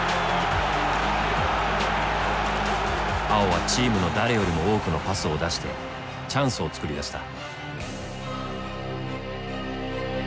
碧はチームの誰よりも多くのパスを出してチャンスを作り出した。